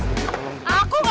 aku gak butuh cinta